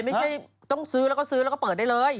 ไม่ใช่ต้องซื้อแล้วก็ซื้อแล้วก็เปิดได้เลย